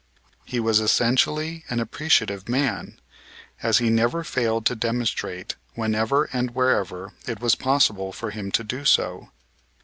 He was essentially an appreciative man; as he never failed to demonstrate whenever and wherever it was possible for him to do so.